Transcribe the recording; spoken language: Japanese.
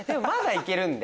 まだ行ける！